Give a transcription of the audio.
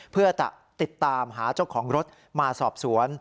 เพื่อจะติดตามหาเจ้าของรถมาสอบสวน